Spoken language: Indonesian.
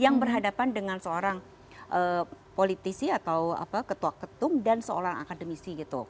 yang berhadapan dengan seorang politisi atau ketua ketum dan seorang akademisi gitu